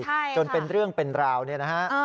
ใช่จนเป็นเรื่องเป็นราวเนี่ยนะฮะ